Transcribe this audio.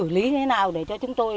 xử lý thế nào để cho chúng tôi